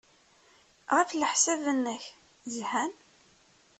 Ɣef leḥsab-nnek, zhan?